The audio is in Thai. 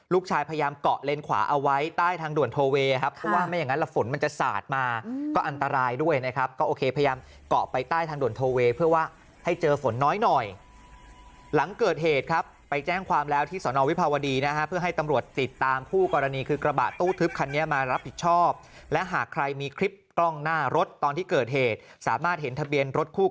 ลูกชายพยายามเกาะเลนขวาเอาไว้ใต้ทางด่วนทอเวย์ครับว่าไม่อย่างนั้นละฝนมันจะสาดมาก็อันตรายด้วยนะครับก็โอเคพยายามเกาะไปใต้ทางด่วนทอเวย์เพื่อว่าให้เจอฝนน้อยหลังเกิดเหตุครับไปแจ้งความแล้วที่สนวิภาวดีนะฮะเพื่อให้ตำรวจติดตามผู้กรณีคือกระบะตู้ทึบคันนี้มารับผิดชอบและหากใ